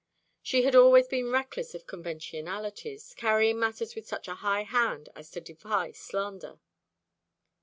She had always been reckless of conventionalities, carrying matters with such a high hand as to defy slander.